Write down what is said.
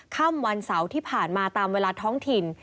ค่ำวันเสาร์ที่ผ่านมาตามเวลาท้องถิ่น